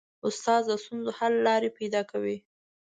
استاد د ستونزو حل لارې پیدا کوي.